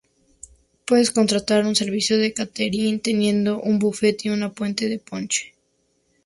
Puedes contratar un servicio de cáterin, teniendo un buffet y una fuente de ponche.